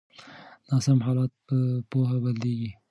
ناسم حالات په پوهه بدلیږي.